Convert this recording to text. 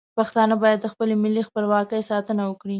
پښتانه باید د خپل ملي خپلواکۍ ساتنه وکړي.